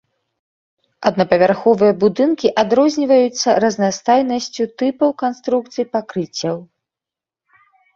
Аднапавярховыя будынкі адрозніваюцца разнастайнасцю тыпаў канструкцый пакрыццяў.